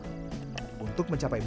ikan ini juga dapat mencapai dua kg